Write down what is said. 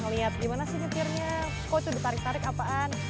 liat gimana sih nyetirnya kok itu udah tarik tarik apaan